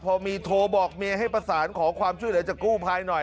พอมีโทรบอกเมียให้ประสานขอความช่วยเหลือจากกู้ภัยหน่อย